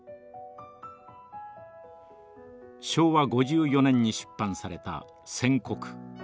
昭和５４年に出版された「宣告」。